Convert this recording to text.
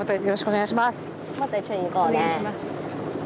お願いします。